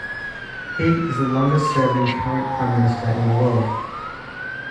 He is the longest-serving current prime minister in the world.